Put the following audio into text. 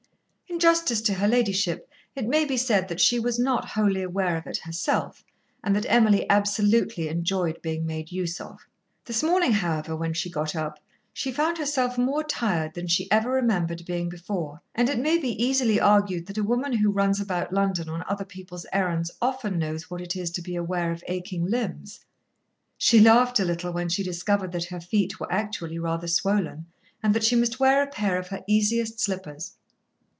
In justice to her ladyship, it may be said that she was not wholly aware of it herself, and that Emily absolutely enjoyed being made use of. This morning, however, when she got up, she found herself more tired than she ever remembered being before, and it may be easily argued that a woman who runs about London on other people's errands often knows what it is to be aware of aching limbs. She laughed a little when she discovered that her feet were actually rather swollen, and that she must wear a pair of her easiest slippers.